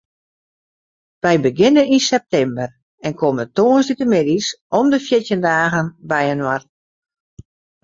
Wy begjinne yn septimber en komme tongersdeitemiddeis om de fjirtjin dagen byinoar.